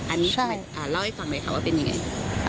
อันนี้เล่าให้ฟังไหมคะว่าเป็นยังไง